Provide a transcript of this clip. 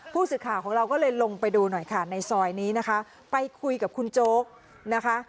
ผู้สื่อข่าวของเราก็เลยลงไปดูหน่อยค่ะในซอยนี้นะคะไปคุยกับคุณโจ๊กนะคะ